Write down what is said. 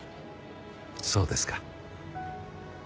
そうですか。